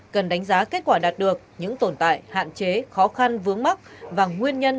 cần đánh giá kết quả đạt được những tồn tại hạn chế khó khăn vướng mắt và nguyên nhân